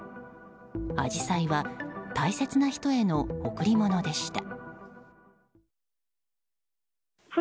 アジサイは大切な人への贈り物でした。